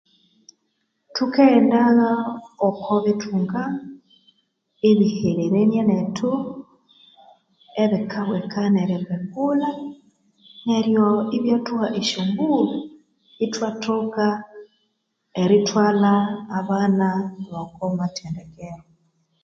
Thukaghendaa okobithunga ebihererenie nethu ebikabweka neribwekulha neryo ibyathuha oshombulho ithwathoka erithwalha abana bokomathendekero